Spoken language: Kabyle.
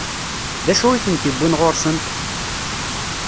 D acu i tent-iwwin ɣur-sent?